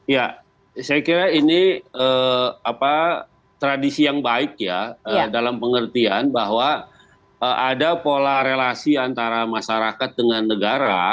ya saya kira ini tradisi yang baik ya dalam pengertian bahwa ada pola relasi antara masyarakat dengan negara